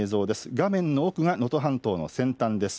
画面の奥が能登半島の先端です。